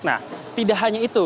nah tidak hanya itu